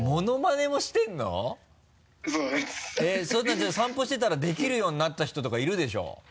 じゃあ散歩してたらできるようになった人とかいるでしょ？